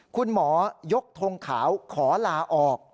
คุณหมอยกทงขาวขอลาออก